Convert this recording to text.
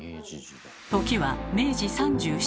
時は明治３７年。